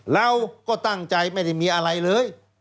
เราก็ตั้งใจไม่ได้มีอะไรเลย